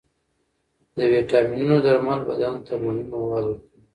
د ویټامینونو درمل بدن ته مهم مواد ورکوي.